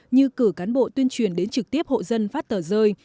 như cử cán bộ tuyên truyền đến trực tiếp hộ dân phát tờ rơi